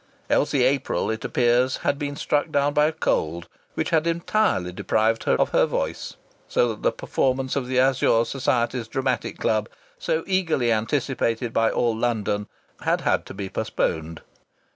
Elsie April, it appeared, had been struck down by a cold which had entirely deprived her of her voice, so that the performance of the Azure Society's Dramatic Club, so eagerly anticipated by all London, had had to be postponed.